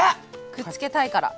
くっつけたいから。